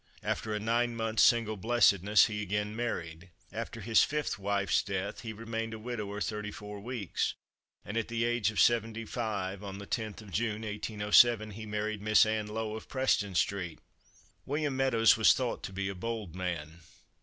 After a nine months' single blessedness he again married. After his fifth wife's death he remained a widower thirty four weeks, and at the age of seventy five, on the 10th of June, 1807, he married Miss Ann Lowe, of Preston street. William Meadows was thought to be a bold man.